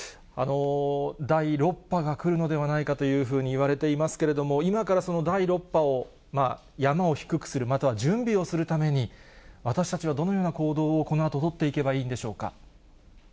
第６波が来るのではないかというふうにいわれていますけれども、今から第６波を、山を低くする、または準備をするために、私たちはどのような行動を、このあと取っていけばいいんでしょうか。